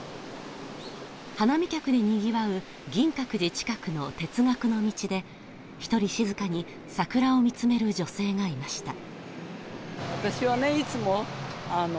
花見客で賑わう銀閣寺近くの哲学の道で一人静かに桜を見つめる女性がいました。